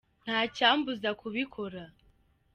ntacyambuza kubikora.